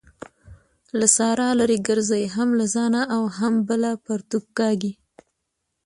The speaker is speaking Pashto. له سارا لري ګرځئ؛ هم له ځانه او هم بله پرتوګ کاږي.